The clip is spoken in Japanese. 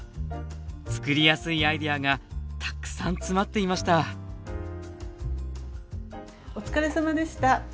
作りやすいアイデアがたくさん詰まっていましたお疲れさまでした。